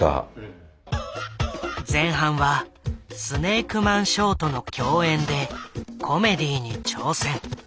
前半はスネークマンショーとの共演でコメディーに挑戦。